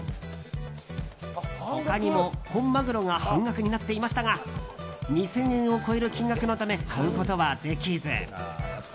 他にも、本マグロが半額になっていましたが２０００円を超える金額のため買うことはできず。